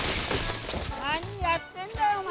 何やってんだよお前！